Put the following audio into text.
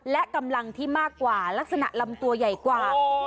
และกำลังที่มากกว่าลักษณะลำตัวใหญ่กว่า